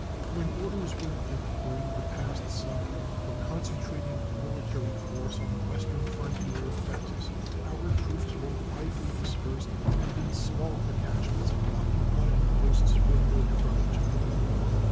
When orders were given during the past summer for concentrating a military force on the western frontier of Texas, our troops were widely dispersed and in small detachments, occupying posts remote from each other.